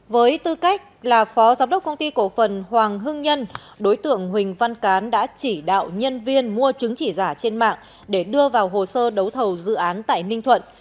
với tư cách là phó giám đốc công ty cổ phần hoàng hưng nhân đối tượng huỳnh văn cán đã chỉ đạo nhân viên mua chứng chỉ giả trên mạng để đưa vào hồ sơ đấu thầu dự án tại ninh thuận